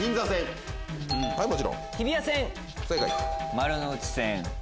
丸ノ内線。